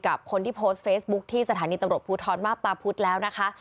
กับคนที่โพสต์เฟซบุ๊คที่สถานีตำรวจภูทรมาพตาพุธแล้วนะคะ